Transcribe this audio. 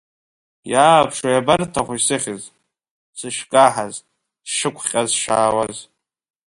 Иааԥшуа иабарҭаху исыхьыз, сышкаҳаз, сшықәҟьаз сшаауаз.